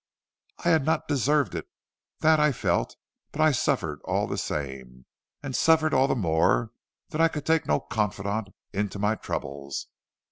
"I had not deserved it that I felt; but I suffered all the same, and suffered all the more that I could take no confidant into my troubles.